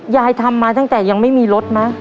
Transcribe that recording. ยายทำมาตั้งแต่ยังไม่มีรถมั้ย